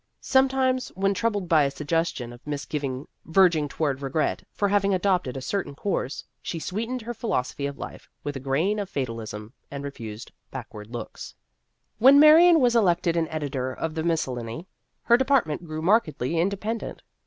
Sometimes, when troubled by a suggestion of misgiving verging toward regret for having adopted a certain course, she sweetened her philosophy of life with a grain of fatalism, and refused backward looks. ii4 Vassar Studies When Marion was elected an editor of the Miscellany, her department grew markedly independent.